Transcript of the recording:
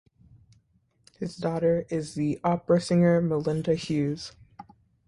His daughter is the opera singer Melinda Hughes.